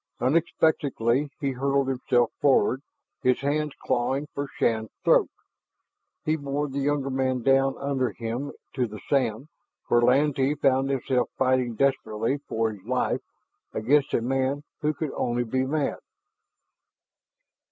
Unexpectedly, he hurled himself forward, his hands clawing for Shann's throat. He bore the younger man down under him to the sand where Lantee found himself fighting desperately for his life against a man who could only be mad.